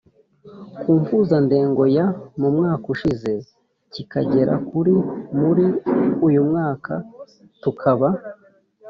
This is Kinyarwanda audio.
ku mpuzandengo ya mu mwaka ushize kikagera kuri muri uyu mwaka Tukaba